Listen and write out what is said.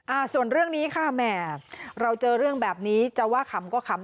อ่าส่วนเรื่องนี้ค่ะแหมเราเจอเรื่องแบบนี้จะว่าขำก็ขำ